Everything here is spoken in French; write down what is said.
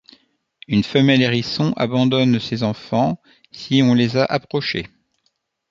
Une femelle hérisson abandonne ses enfants si on les a approchés.